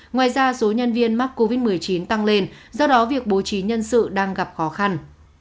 ngoài ra số nhân viên mắc covid một mươi chín tăng lên do đó việc bố trí nhân sự đang gặp khó khăn